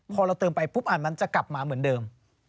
พอเราเติมไปปุ๊บอันนั้นจะกลับมาเหมือนเดิม